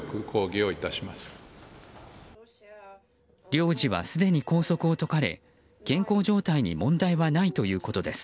領事はすでに拘束を解かれ健康状態に問題はないということです。